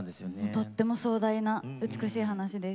とっても壮大な美しい話です。